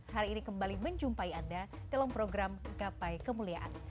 hari ini kembali menjumpai anda dalam program gapai kemuliaan